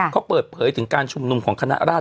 เขาเปิดเผยถึงการชุมนุมของคณะราช